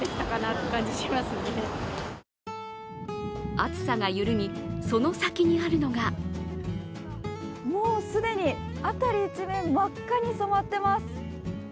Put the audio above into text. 暑さが緩み、そのサキにあるのがもう既に辺り一面真っ赤に染まってます。